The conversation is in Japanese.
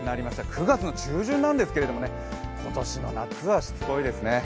９月の中旬なんですけどね、今年の夏はしつこいですね。